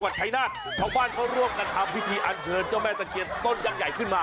ชายนาฏชาวบ้านเขาร่วมกันทำพิธีอันเชิญเจ้าแม่ตะเคียนต้นยังใหญ่ขึ้นมา